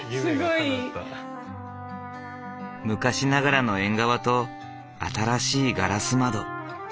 すごい！昔ながらの縁側と新しいガラス窓。